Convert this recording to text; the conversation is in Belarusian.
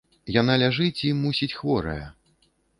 Яна ляжыць і, мусіць, хворая.